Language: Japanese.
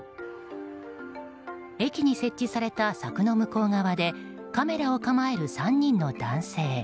駅に設置された柵の向こう側でカメラを構える３人の男性。